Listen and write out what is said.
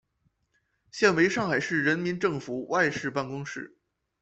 现为上海市人民政府外事办公室。